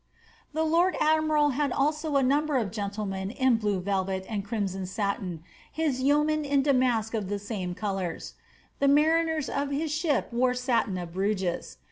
^ The lord admiral had also a number of gendemen in blue velvet and crimson satin, and his yeomen in damask of the same colours. The mariners of his ship wore satin of Bruges.